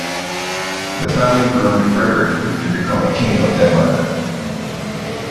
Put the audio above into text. The family groomed Frederick to become a King of Denmark.